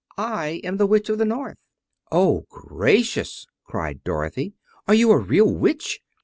I am the Witch of the North." "Oh, gracious!" cried Dorothy. "Are you a real witch?"